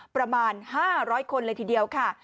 ประมาณ๕๐๐คนเลยทีเดียวค่ะ